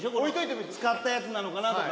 使ったやつなのかなとか。